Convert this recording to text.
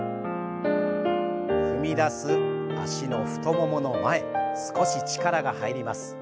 踏み出す脚の太ももの前少し力が入ります。